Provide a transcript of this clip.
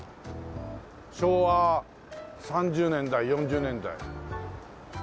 昭和３０年代４０年代。